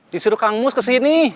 disuruh kang mus ke sini